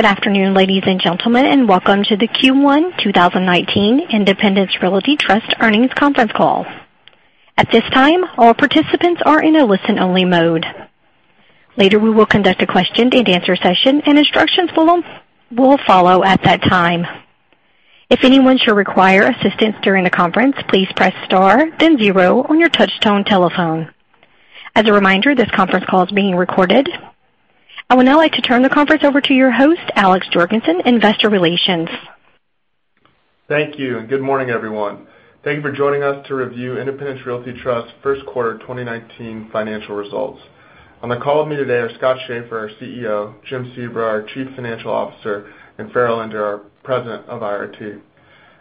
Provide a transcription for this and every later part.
Good afternoon, ladies and gentlemen, welcome to the Q1 2019 Independence Realty Trust earnings conference call. At this time, all participants are in a listen-only mode. Later, we will conduct a question-and-answer session. Instructions will follow at that time. If anyone should require assistance during the conference, please press star then zero on your touchtone telephone. A reminder, this conference call is being recorded. I would now like to turn the conference over to your host, Alex Jorgensen, Investor Relations. Thank you. Good morning, everyone. Thank you for joining us to review Independence Realty Trust first quarter 2019 financial results. On the call with me today are Scott Schaeffer, our CEO, Jim Sebra, our Chief Financial Officer, and Farrell Ender, our President of IRT.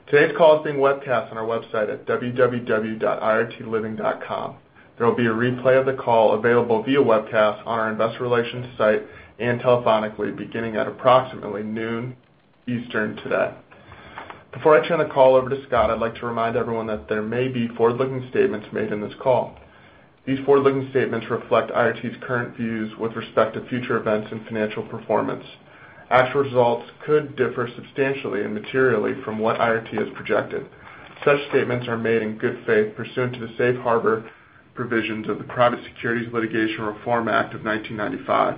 Today's call is being webcast on our website at www.irtliving.com. There will be a replay of the call available via webcast on our investor relations site and telephonically beginning at approximately noon Eastern today. Before I turn the call over to Scott, I would like to remind everyone that there may be forward-looking statements made in this call. These forward-looking statements reflect IRT's current views with respect to future events and financial performance. Actual results could differ substantially and materially from what IRT has projected. Such statements are made in good faith pursuant to the safe harbor provisions of the Private Securities Litigation Reform Act of 1995.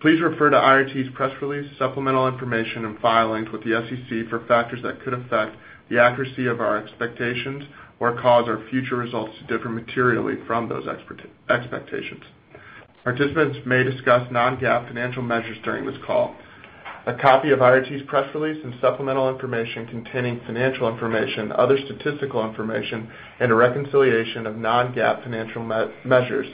Please refer to IRT's press release, supplemental information, and filings with the SEC for factors that could affect the accuracy of our expectations or cause our future results to differ materially from those expectations. Participants may discuss non-GAAP financial measures during this call. A copy of IRT's press release and supplemental information containing financial information, other statistical information, and a reconciliation of non-GAAP financial measures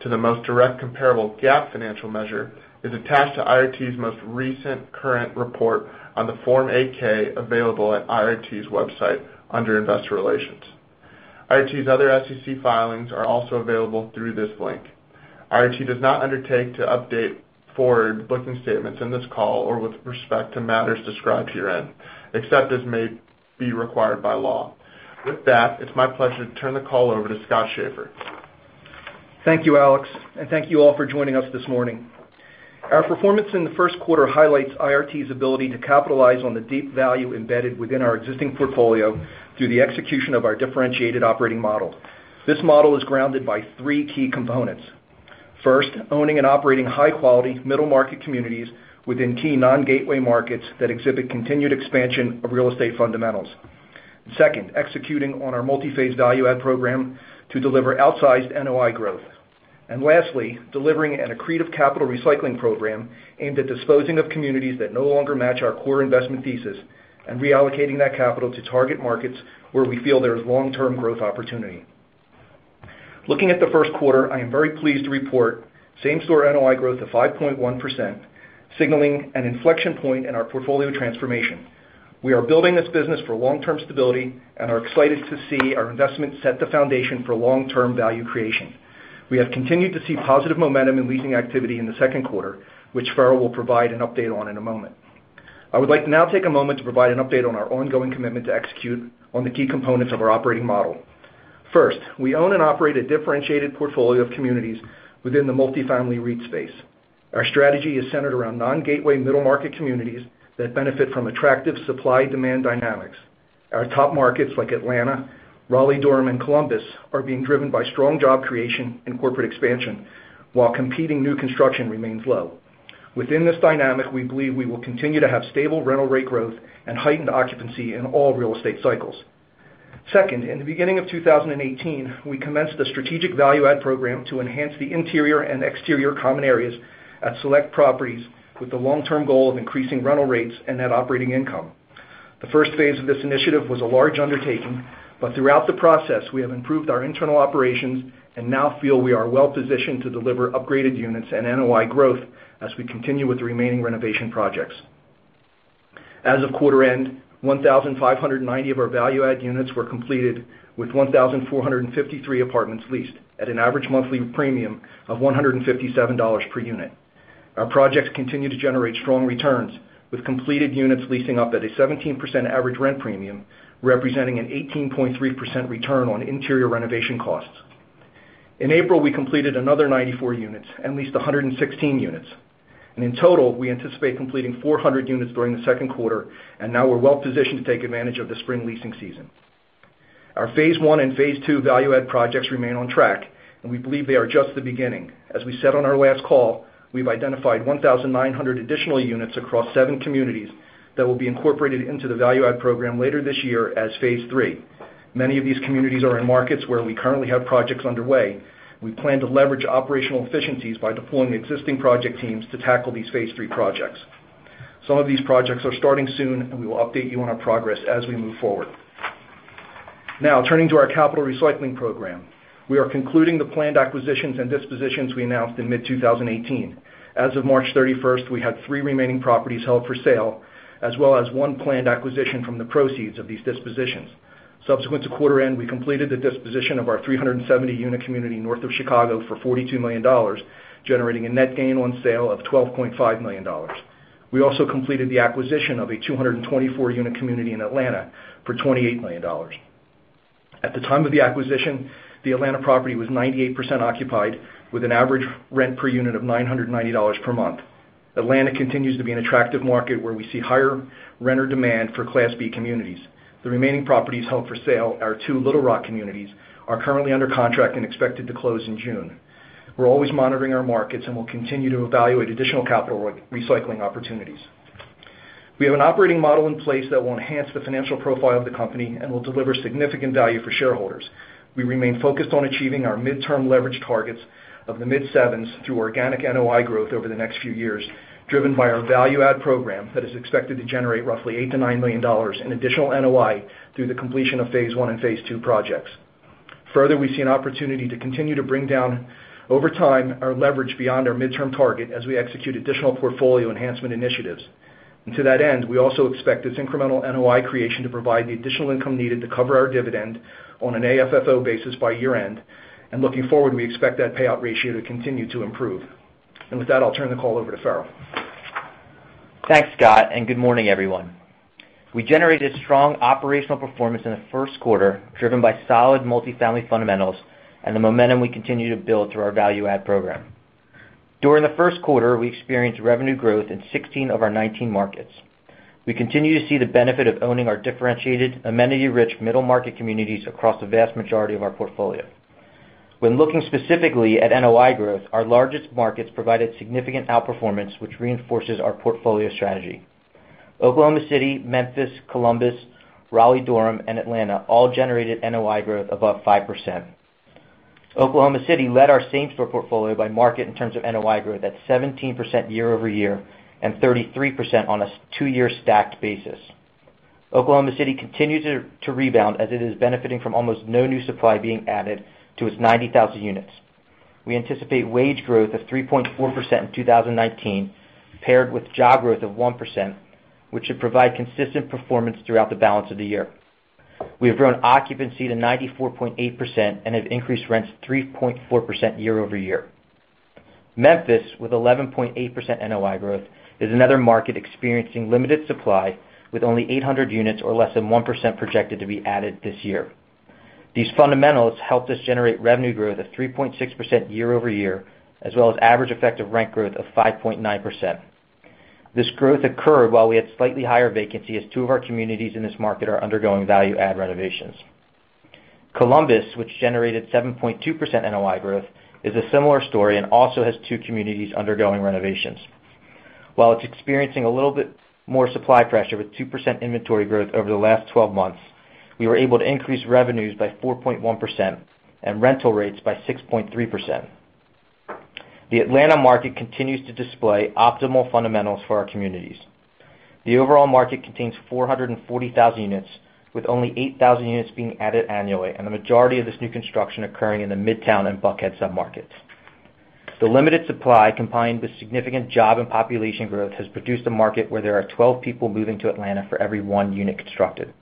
to the most direct comparable GAAP financial measure is attached to IRT's most recent current report on the Form 8-K available at IRT's website under Investor Relations. IRT's other SEC filings are also available through this link. IRT does not undertake to update forward-looking statements in this call or with respect to matters described herein, except as may be required by law. With that, it is my pleasure to turn the call over to Scott Schaeffer. Thank you, Alex, and thank you all for joining us this morning. Our performance in the first quarter highlights IRT's ability to capitalize on the deep value embedded within our existing portfolio through the execution of our differentiated operating model. This model is grounded by three key components. First, owning and operating high-quality middle-market communities within key non-gateway markets that exhibit continued expansion of real estate fundamentals. Second, executing on our multi-phase value-add program to deliver outsized NOI growth. Lastly, delivering an accretive capital recycling program aimed at disposing of communities that no longer match our core investment thesis and reallocating that capital to target markets where we feel there is long-term growth opportunity. Looking at the first quarter, I am very pleased to report same-store NOI growth of 5.1%, signaling an inflection point in our portfolio transformation. We are building this business for long-term stability and are excited to see our investment set the foundation for long-term value creation. We have continued to see positive momentum in leasing activity in the second quarter, which Farrell will provide an update on in a moment. I would like to now take a moment to provide an update on our ongoing commitment to execute on the key components of our operating model. First, we own and operate a differentiated portfolio of communities within the multifamily REIT space. Our strategy is centered around non-gateway middle-market communities that benefit from attractive supply-demand dynamics. Our top markets like Atlanta, Raleigh-Durham, and Columbus are being driven by strong job creation and corporate expansion while competing new construction remains low. Within this dynamic, we believe we will continue to have stable rental rate growth and heightened occupancy in all real estate cycles. Second, in the beginning of 2018, we commenced a strategic value-add program to enhance the interior and exterior common areas at select properties with the long-term goal of increasing rental rates and net operating income. The first phase of this initiative was a large undertaking, but throughout the process, we have improved our internal operations and now feel we are well-positioned to deliver upgraded units and NOI growth as we continue with the remaining renovation projects. As of quarter end, 1,590 of our value-add units were completed with 1,453 apartments leased at an average monthly premium of $157 per unit. Our projects continue to generate strong returns with completed units leasing up at a 17% average rent premium, representing an 18.3% return on interior renovation costs. In April, we completed another 94 units and leased 116 units. In total, we anticipate completing 400 units during the second quarter, and now we're well-positioned to take advantage of the spring leasing season. Our phase 1 and phase 2 value-add projects remain on track, and we believe they are just the beginning. As we said on our last call, we've identified 1,900 additional units across seven communities that will be incorporated into the value-add program later this year as phase 3. Many of these communities are in markets where we currently have projects underway. We plan to leverage operational efficiencies by deploying existing project teams to tackle these phase 3 projects. Some of these projects are starting soon, and we will update you on our progress as we move forward. Now, turning to our capital recycling program. We are concluding the planned acquisitions and dispositions we announced in mid-2018. As of March 31, we had three remaining properties held for sale, as well as one planned acquisition from the proceeds of these dispositions. Subsequent to quarter end, we completed the disposition of our 370-unit community north of Chicago for $42 million, generating a net gain on sale of $12.5 million. We also completed the acquisition of a 224-unit community in Atlanta for $28 million. At the time of the acquisition, the Atlanta property was 98% occupied with an average rent per unit of $990 per month. Atlanta continues to be an attractive market where we see higher renter demand for Class B communities. The remaining properties held for sale are two Little Rock communities, are currently under contract and expected to close in June. We're always monitoring our markets, and we'll continue to evaluate additional capital recycling opportunities. We have an operating model in place that will enhance the financial profile of the company and will deliver significant value for shareholders. We remain focused on achieving our midterm leverage targets of the mid sevens through organic NOI growth over the next few years, driven by our value-add program that is expected to generate roughly $8 million-$9 million in additional NOI through the completion of phase one and phase two projects. To that end, we also expect this incremental NOI creation to provide the additional income needed to cover our dividend on an AFFO basis by year-end. Looking forward, we expect that payout ratio to continue to improve. With that, I'll turn the call over to Farrell. Thanks, Scott, and good morning, everyone. We generated strong operational performance in the first quarter, driven by solid multifamily fundamentals and the momentum we continue to build through our value-add program. During the first quarter, we experienced revenue growth in 16 of our 19 markets. We continue to see the benefit of owning our differentiated, amenity-rich middle-market communities across the vast majority of our portfolio. When looking specifically at NOI growth, our largest markets provided significant outperformance, which reinforces our portfolio strategy. Oklahoma City, Memphis, Columbus, Raleigh-Durham, and Atlanta all generated NOI growth above 5%. Oklahoma City led our same-store portfolio by market in terms of NOI growth at 17% year-over-year and 33% on a two-year stacked basis. Oklahoma City continues to rebound as it is benefiting from almost no new supply being added to its 90,000 units. We anticipate wage growth of 3.4% in 2019, paired with job growth of 1%, which should provide consistent performance throughout the balance of the year. We have grown occupancy to 94.8% and have increased rents 3.4% year-over-year. Memphis, with 11.8% NOI growth, is another market experiencing limited supply with only 800 units or less than 1% projected to be added this year. These fundamentals helped us generate revenue growth of 3.6% year-over-year, as well as average effective rent growth of 5.9%. This growth occurred while we had slightly higher vacancy as two of our communities in this market are undergoing value-add renovations. Columbus, which generated 7.2% NOI growth, is a similar story and also has two communities undergoing renovations. While it's experiencing a little bit more supply pressure with 2% inventory growth over the last 12 months, we were able to increase revenues by 4.1% and rental rates by 6.3%. The Atlanta market continues to display optimal fundamentals for our communities. The overall market contains 440,000 units, with only 8,000 units being added annually, and the majority of this new construction occurring in the Midtown and Buckhead submarkets. The limited supply, combined with significant job and population growth, has produced a market where there are 12 people moving to Atlanta for every one unit constructed.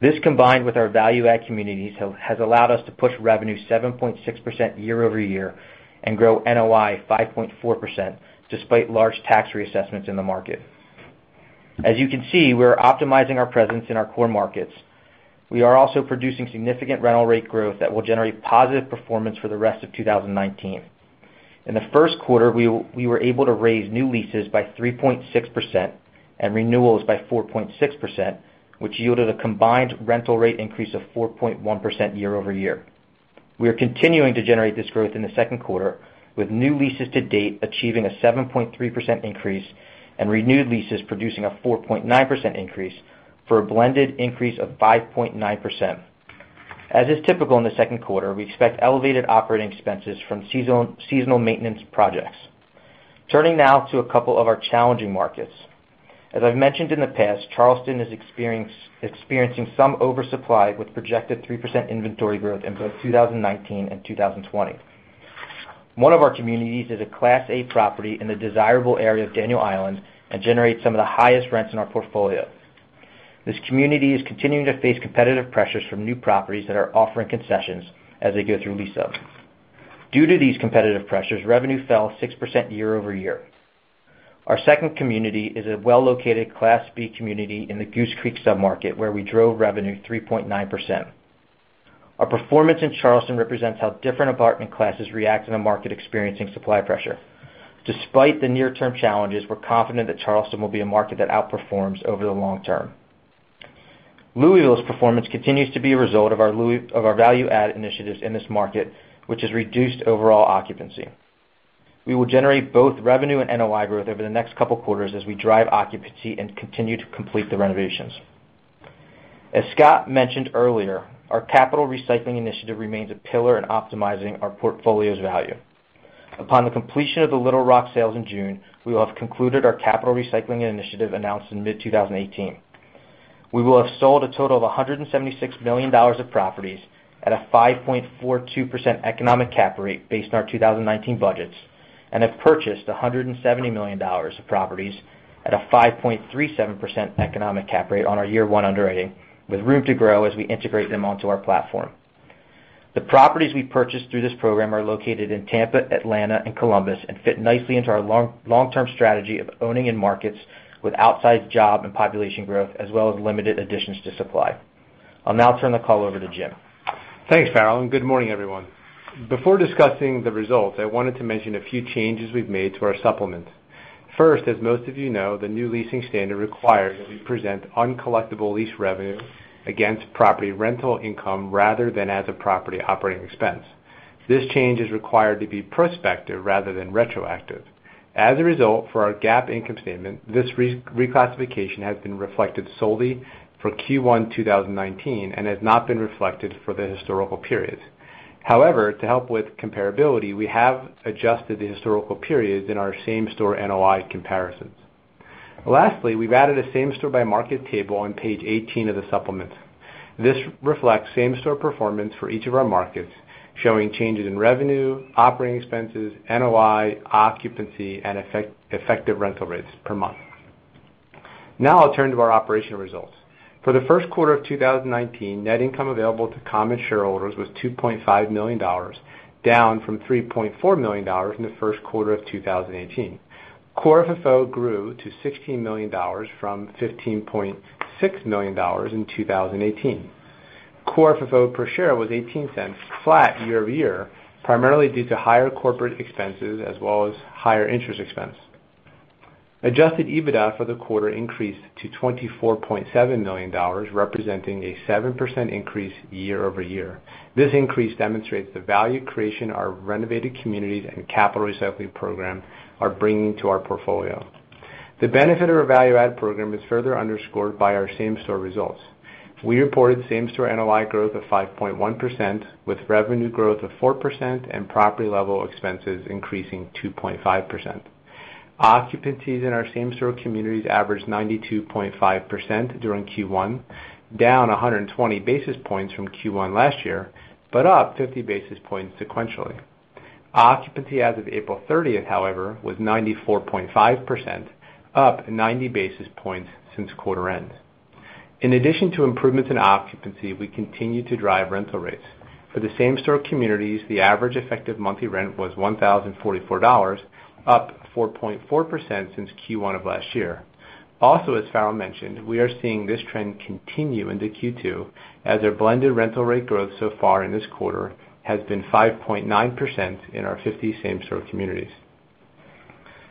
This, combined with our value-add communities, has allowed us to push revenue 7.6% year-over-year and grow NOI 5.4%, despite large tax reassessments in the market. As you can see, we are optimizing our presence in our core markets. We are also producing significant rental rate growth that will generate positive performance for the rest of 2019. In the first quarter, we were able to raise new leases by 3.6% and renewals by 4.6%, which yielded a combined rental rate increase of 4.1% year-over-year. We are continuing to generate this growth in the second quarter, with new leases to date achieving a 7.3% increase and renewed leases producing a 4.9% increase for a blended increase of 5.9%. As is typical in the second quarter, we expect elevated operating expenses from seasonal maintenance projects. Turning now to a couple of our challenging markets. As I've mentioned in the past, Charleston is experiencing some oversupply with projected 3% inventory growth in both 2019 and 2020. One of our communities is a Class A property in the desirable area of Daniel Island and generates some of the highest rents in our portfolio. This community is continuing to face competitive pressures from new properties that are offering concessions as they go through lease-up. Due to these competitive pressures, revenue fell 6% year-over-year. Our second community is a well-located Class B community in the Goose Creek submarket, where we drove revenue 3.9%. Our performance in Charleston represents how different apartment classes react in a market experiencing supply pressure. Despite the near-term challenges, we're confident that Charleston will be a market that outperforms over the long term. Louisville's performance continues to be a result of our value-add initiatives in this market, which has reduced overall occupancy. We will generate both revenue and NOI growth over the next couple quarters as we drive occupancy and continue to complete the renovations. As Scott mentioned earlier, our capital recycling initiative remains a pillar in optimizing our portfolio's value. Upon the completion of the Little Rock sales in June, we will have concluded our capital recycling initiative announced in mid-2018. We will have sold a total of $176 million of properties at a 5.42% economic cap rate based on our 2019 budgets and have purchased $170 million of properties at a 5.37% economic cap rate on our year one underwriting, with room to grow as we integrate them onto our platform. The properties we purchased through this program are located in Tampa, Atlanta, and Columbus, and fit nicely into our long-term strategy of owning in markets with outsized job and population growth, as well as limited additions to supply. I'll now turn the call over to Jim. Thanks, Farrell. Good morning, everyone. Before discussing the results, I wanted to mention a few changes we've made to our supplement. First, as most of you know, the new leasing standard requires that we present uncollectible lease revenue against property rental income rather than as a property operating expense. This change is required to be prospective rather than retroactive. As a result, for our GAAP income statement, this reclassification has been reflected solely for Q1 2019 and has not been reflected for the historical periods. However, to help with comparability, we have adjusted the historical periods in our same-store NOI comparisons. Lastly, we've added a same-store-by-market table on page 18 of the supplement. This reflects same-store performance for each of our markets, showing changes in revenue, operating expenses, NOI, occupancy, and effective rental rates per month. Now I'll turn to our operational results. For the first quarter of 2019, net income available to common shareholders was $2.5 million, down from $3.4 million in the first quarter of 2018. Core FFO grew to $16 million from $15.6 million in 2018. Core FFO per share was $0.18, flat year-over-year, primarily due to higher corporate expenses as well as higher interest expense. Adjusted EBITDA for the quarter increased to $24.7 million, representing a 7% increase year-over-year. This increase demonstrates the value creation of our renovated communities and capital recycling program are bringing to our portfolio. The benefit of our value-add program is further underscored by our same-store results. We reported same-store NOI growth of 5.1%, with revenue growth of 4% and property-level expenses increasing 2.5%. Occupancies in our same-store communities averaged 92.5% during Q1, down 120 basis points from Q1 last year, but up 50 basis points sequentially. Occupancy as of April 30th, however, was 94.5%, up 90 basis points since quarter end. In addition to improvements in occupancy, we continue to drive rental rates. For the same-store communities, the average effective monthly rent was $1,044, up 4.4% since Q1 of last year. Also, as Farrell mentioned, we are seeing this trend continue into Q2, as our blended rental rate growth so far in this quarter has been 5.9% in our 50 same-store communities.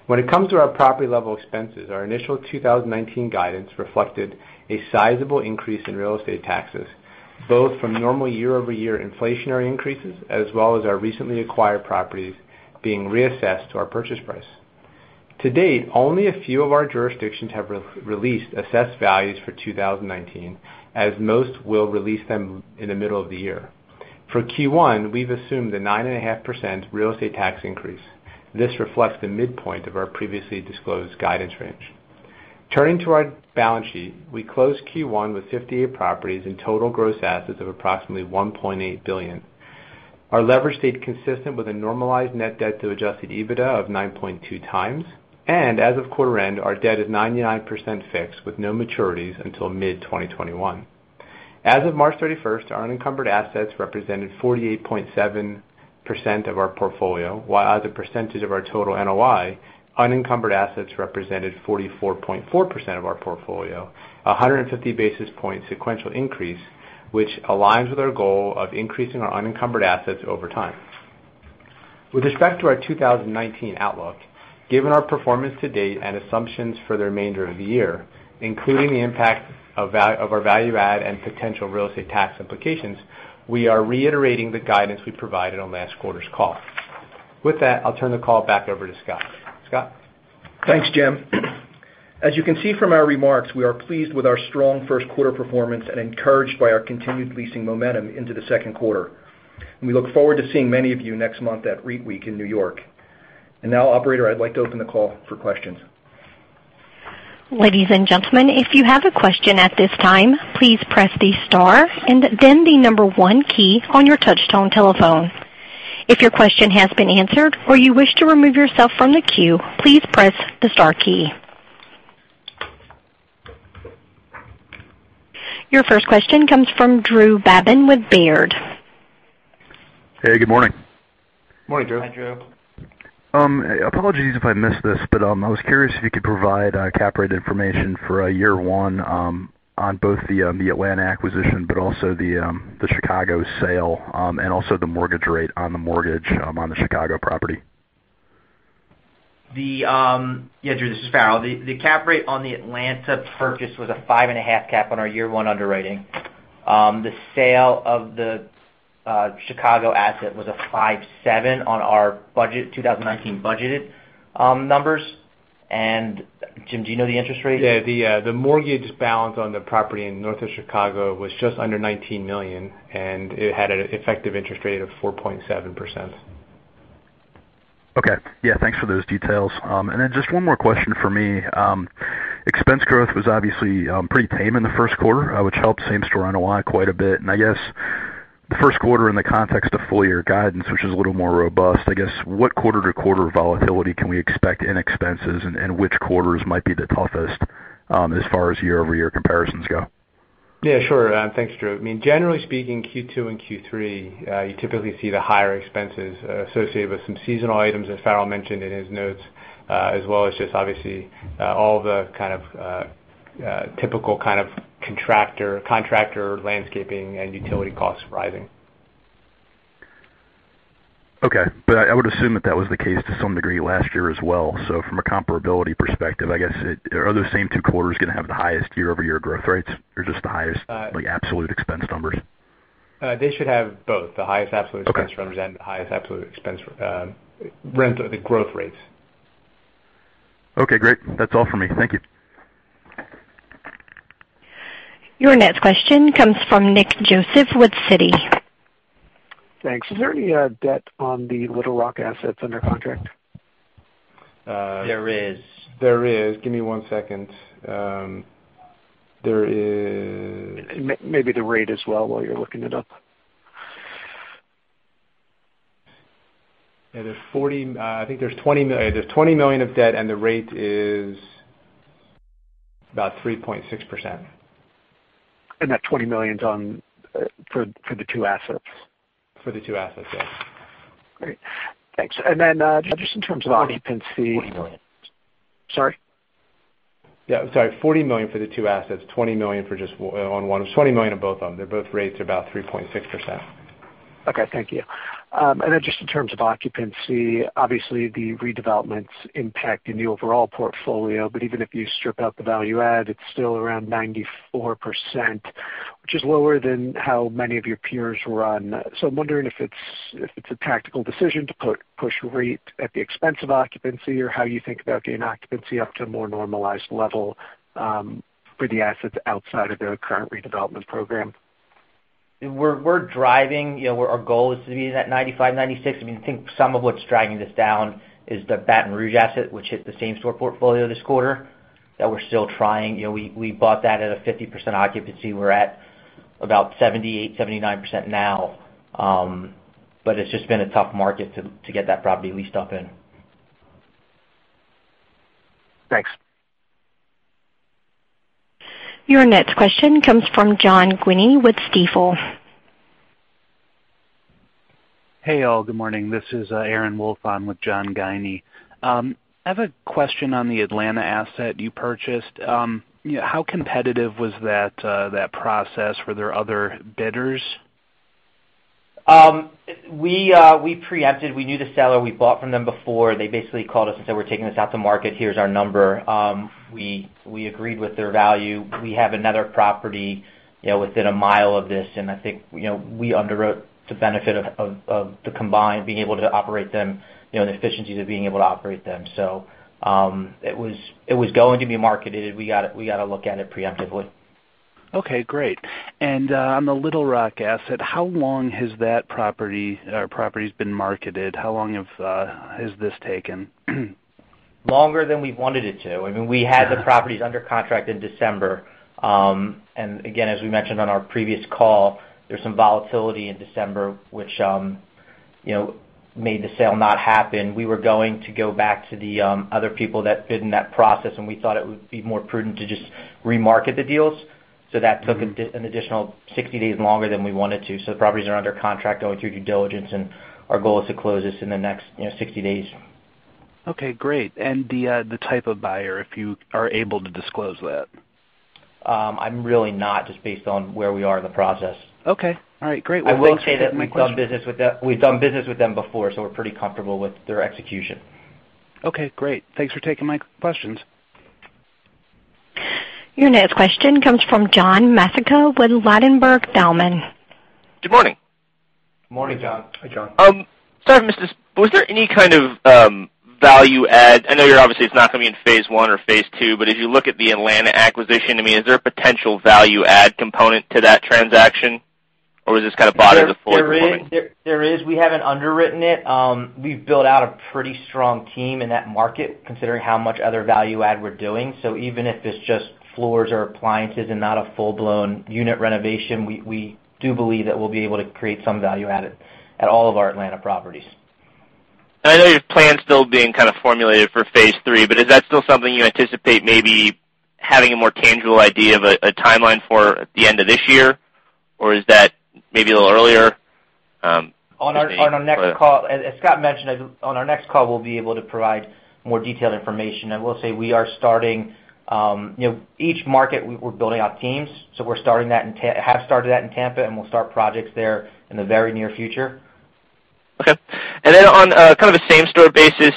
When it comes to our property-level expenses, our initial 2019 guidance reflected a sizable increase in real estate taxes, both from normal year-over-year inflationary increases, as well as our recently acquired properties being reassessed to our purchase price. To date, only a few of our jurisdictions have released assessed values for 2019, as most will release them in the middle of the year. For Q1, we've assumed a 9.5% real estate tax increase. This reflects the midpoint of our previously disclosed guidance range. Turning to our balance sheet, we closed Q1 with 58 properties and total gross assets of approximately $1.8 billion. Our leverage stayed consistent with a normalized net debt to adjusted EBITDA of 9.2 times. As of quarter end, our debt is 99% fixed with no maturities until mid-2021. As of March 31st, our unencumbered assets represented 48.7% of our portfolio, while as a percentage of our total NOI, unencumbered assets represented 44.4% of our portfolio, a 150 basis point sequential increase, which aligns with our goal of increasing our unencumbered assets over time. With respect to our 2019 outlook, given our performance to date and assumptions for the remainder of the year, including the impact of our value-add and potential real estate tax implications, we are reiterating the guidance we provided on last quarter's call. I'll turn the call back over to Scott. Scott? Thanks, Jim. As you can see from our remarks, we are pleased with our strong first quarter performance and encouraged by our continued leasing momentum into the second quarter. We look forward to seeing many of you next month at REITWeek in New York. Operator, I'd like to open the call for questions. Ladies and gentlemen, if you have a question at this time, please press the star and then the number 1 key on your touch-tone telephone. If your question has been answered or you wish to remove yourself from the queue, please press the star key. Your first question comes from Drew Babin with Baird. Hey, good morning. Morning, Drew. Hi, Drew. Apologies if I missed this, I was curious if you could provide cap rate information for year one on both the Atlanta acquisition but also the Chicago sale, and also the mortgage rate on the mortgage on the Chicago property. Yeah, Drew. This is Farrell. The cap rate on the Atlanta purchase was a 5.5 cap on our year-one underwriting. The sale of the Chicago asset was a 5.7 on our 2019 budgeted numbers. Jim, do you know the interest rate? Yeah. The mortgage balance on the property in north of Chicago was just under $19 million, and it had an effective interest rate of 4.7%. Okay. Yeah, thanks for those details. Just one more question from me. Expense growth was obviously pretty tame in the first quarter, which helped same-store NOI quite a bit. I guess the first quarter in the context of full-year guidance, which is a little more robust, I guess what quarter-to-quarter volatility can we expect in expenses, and which quarters might be the toughest? As far as year-over-year comparisons go. Yeah, sure. Thanks, Drew. Generally speaking, Q2 and Q3, you typically see the higher expenses associated with some seasonal items, as Farrell mentioned in his notes, as well as just obviously all the typical kind of contractor landscaping and utility costs rising. I would assume that that was the case to some degree last year as well. From a comparability perspective, I guess are those same two quarters going to have the highest year-over-year growth rates or just the highest like absolute expense numbers? They should have both. The highest absolute Okay expense numbers and the highest absolute expense growth rates. Okay, great. That's all for me. Thank you. Your next question comes from Nick Joseph with Citigroup. Thanks. Is there any debt on the Little Rock assets under contract? There is. There is. Give me one second. Maybe the rate as well while you're looking it up. Yeah. There's $20 million of debt. The rate is about 3.6%. That $20 million is for the two assets? For the two assets, yes. Great. Thanks. just in terms of occupancy- $40 million. Sorry? Yeah, sorry, $40 million for the two assets, $20 million on one. $20 million on both of them. They're both rates are about 3.6%. Okay, thank you. just in terms of occupancy, obviously the redevelopments impact in the overall portfolio, but even if you strip out the value-add, it's still around 94%, which is lower than how many of your peers run. I'm wondering if it's a tactical decision to push rate at the expense of occupancy, or how you think about getting occupancy up to a more normalized level, for the assets outside of the current redevelopment program. We're driving, our goal is to be in that 95%, 96%. I think some of what's driving this down is the Baton Rouge asset, which hit the same-store portfolio this quarter, that we're still trying. We bought that at a 50% occupancy. We're at about 78%, 79% now. But it's just been a tough market to get that property leased up in. Thanks. Your next question comes from John Guinee with Stifel. Hey, all. Good morning. This is Aaron Wolf. I'm with John Guinee. I have a question on the Atlanta asset you purchased. How competitive was that process? Were there other bidders? We preempted. We knew the seller. We bought from them before. They basically called us and said, "We're taking this off the market. Here's our number." We agreed with their value. We have another property within a mile of this. I think we underwrote the benefit of the combined being able to operate them, the efficiencies of being able to operate them. It was going to be marketed. We got a look at it preemptively. Okay, great. On the Little Rock asset, how long has that property or properties been marketed? How long has this taken? Longer than we wanted it to. We had the properties under contract in December. Again, as we mentioned on our previous call, there's some volatility in December which made the sale not happen. We were going to go back to the other people that bid in that process, we thought it would be more prudent to just remarket the deals. That took an additional 60 days longer than we wanted to. The properties are under contract, going through due diligence, our goal is to close this in the next 60 days. Okay, great. The type of buyer, if you are able to disclose that. I'm really not, just based on where we are in the process. Okay. All right. Great. Well, thanks for taking my question. I will say that we've done business with them before, so we're pretty comfortable with their execution. Okay, great. Thanks for taking my questions. Your next question comes from John Petaccia with Ladenburg Thalmann. Good morning. Morning, John. Hi, John. Sorry to miss this. Was there any kind of value-add? I know you're obviously, it's not going to be in phase one or phase two, but as you look at the Atlanta acquisition, is there a potential value-add component to that transaction? Or was this kind of bought as a fully performing? There is. We haven't underwritten it. We've built out a pretty strong team in that market, considering how much other value-add we're doing. Even if it's just floors or appliances and not a full-blown unit renovation, we do believe that we'll be able to create some value-add at all of our Atlanta properties. I know your plan's still being kind of formulated for phase three, but is that still something you anticipate maybe having a more tangible idea of a timeline for at the end of this year? Or is that maybe a little earlier? On our next call, as Scott mentioned, on our next call, we'll be able to provide more detailed information. I will say we are starting Each market we're building out teams. We have started that in Tampa, and we'll start projects there in the very near future. Okay. On kind of a same-store basis,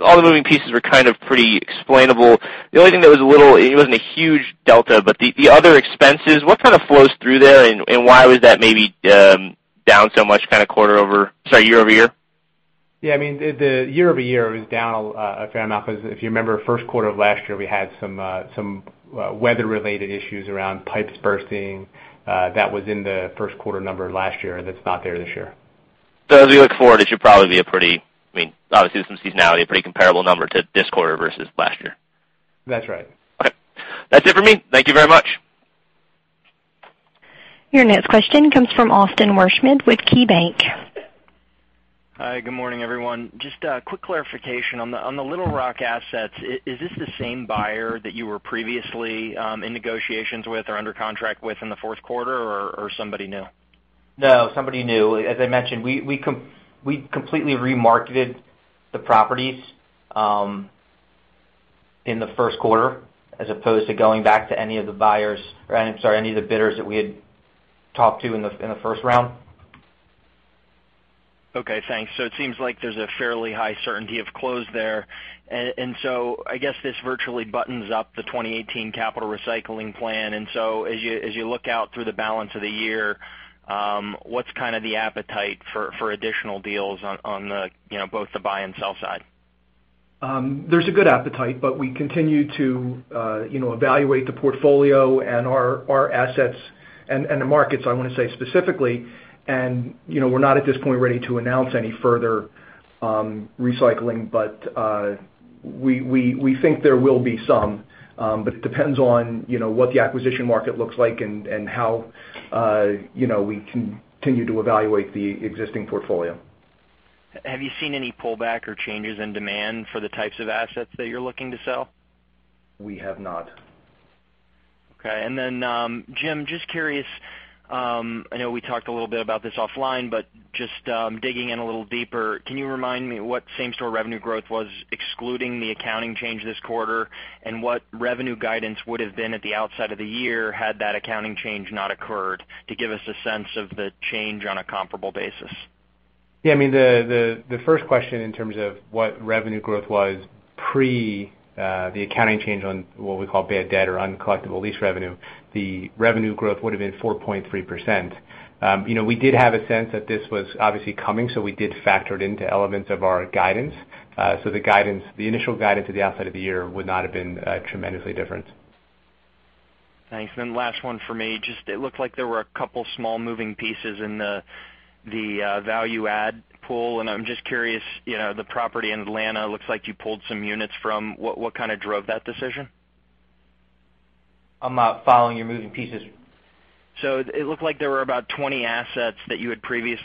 all the moving pieces were kind of pretty explainable. The only thing that was a little, it wasn't a huge delta, but the other expenses, what kind of flows through there, and why was that maybe down so much kind of year-over-year? Yeah. The year-over-year was down a fair amount because if you remember, first quarter of last year, we had some weather-related issues around pipes bursting. That was in the first quarter number last year, and that's not there this year. As we look forward, it should probably be a pretty, obviously some seasonality, a pretty comparable number to this quarter versus last year. That's right. Okay. That's it for me. Thank you very much. Your next question comes from Austin Wurschmidt with KeyBanc. Hi, good morning, everyone. Just a quick clarification on the Little Rock assets. Is this the same buyer that you were previously in negotiations with or under contract with in the fourth quarter, or somebody new? No, somebody new. As I mentioned, we completely remarketed the properties in the first quarter as opposed to going back to any of the bidders that we had talked to in the first round. Okay, thanks. It seems like there's a fairly high certainty of close there. I guess this virtually buttons up the 2018 capital recycling plan. As you look out through the balance of the year, what's kind of the appetite for additional deals on both the buy and sell side? There's a good appetite, but we continue to evaluate the portfolio and our assets and the markets, I want to say specifically. We're not, at this point, ready to announce any further recycling, but we think there will be some. It depends on what the acquisition market looks like and how we continue to evaluate the existing portfolio. Have you seen any pullback or changes in demand for the types of assets that you're looking to sell? We have not. Okay. Jim, just curious, I know we talked a little bit about this offline, but just digging in a little deeper, can you remind me what same-store revenue growth was excluding the accounting change this quarter? What revenue guidance would have been at the outset of the year had that accounting change not occurred, to give us a sense of the change on a comparable basis? The first question in terms of what revenue growth was pre the accounting change on what we call bad debt or uncollectible lease revenue, the revenue growth would have been 4.3%. We did have a sense that this was obviously coming, so we did factor it into elements of our guidance. The initial guidance at the outset of the year would not have been tremendously different. Thanks. Last one for me. It looked like there were a couple small moving pieces in the value-add pool, and I'm just curious, the property in Atlanta, looks like you pulled some units from. What kind of drove that decision? I'm not following your moving pieces. It looked like there were about 20 assets that you had previously